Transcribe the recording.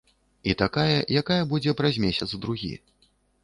І такая, якая будзе праз месяц-другі.